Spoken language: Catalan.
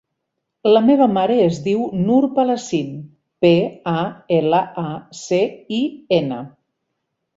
La meva mare es diu Nur Palacin: pe, a, ela, a, ce, i, ena.